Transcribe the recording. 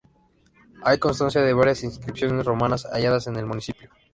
Hay constancia de varias inscripciones romanas halladas en el municipio.